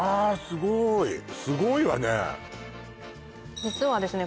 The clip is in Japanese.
すごーいすごいわね実はですね